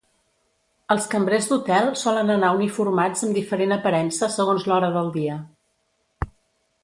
Els cambrers d'hotel solen anar uniformats amb diferent aparença segons l'hora del dia.